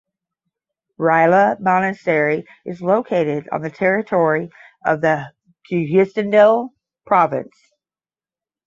Rila Monastery is located on the territory of the Kyustendil Province.